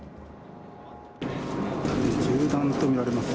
銃弾と見られます。